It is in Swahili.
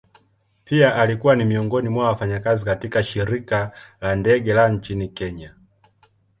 Pia alikuwa ni miongoni mwa wafanyakazi katika shirika la ndege la nchini kenya.